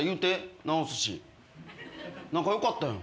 仲良かったやん。